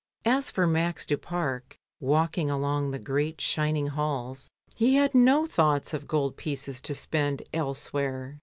As for Max du Pare walking along the great shining halls, he had no thoughts of gold pieces to spend elsewhere.